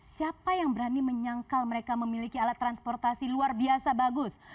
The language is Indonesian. siapa yang berani menyangkal mereka memiliki alat transportasi luar biasa bagus